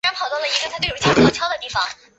毛叶木姜子为樟科木姜子属下的一个种。